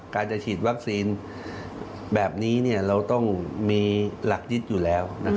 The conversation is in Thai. การจะฉีดวัคซีนแบบนี้เราต้องมีหลักยึดอยู่แล้ว